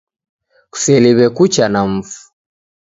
Kuseliw'e kucha na mfu